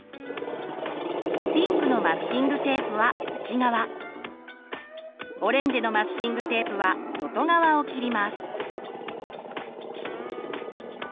ピンクのマスキングテープは内側オレンジのマスキングテープは外側を切ります。